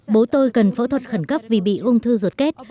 bố tôi cần phẫu thuật khẩn cấp vì bị ung thư ruột kết